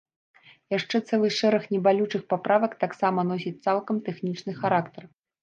Яшчэ цэлы шэраг небалючых паправак таксама носіць цалкам тэхнічны характар.